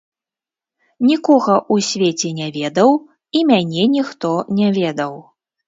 Нікога ў свеце не ведаў і мяне ніхто не ведаў.